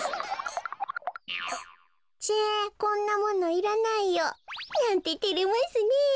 「ちぇこんなものいらないよ」なんててれますねえ。